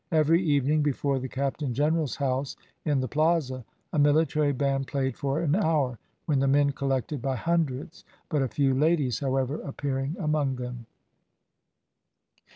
Every evening, before the captain general's house in the Plaza, a military band played for an hour, when the men collected by hundreds, but a few ladies, however, appearing among them.